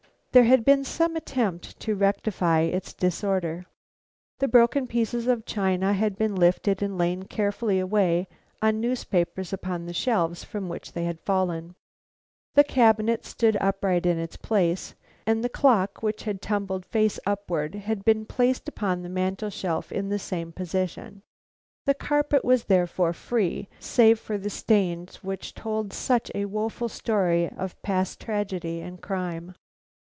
There had been some attempt to rectify its disorder. The broken pieces of china had been lifted and laid carefully away on newspapers upon the shelves from which they had fallen. The cabinet stood upright in its place, and the clock which had tumbled face upward, had been placed upon the mantel shelf in the same position. The carpet was therefore free, save for the stains which told such a woful story of past tragedy and crime.